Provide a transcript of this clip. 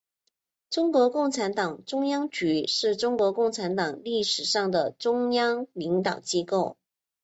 中国共产党中央局是中国共产党历史上的中央领导机构。